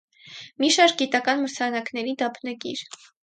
Մի շարք գիտական մրցանակների դափնեկիր։